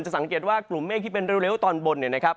สังเกตว่ากลุ่มเมฆที่เป็นเร็วตอนบนเนี่ยนะครับ